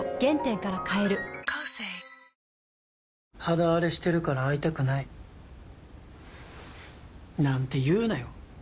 肌あれしてるから会いたくないなんて言うなよ